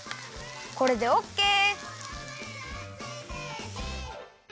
これでオッケー！